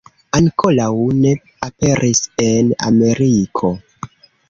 Ankoraŭ ne aperis en Ameriko.